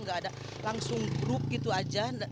nggak ada langsung grup gitu aja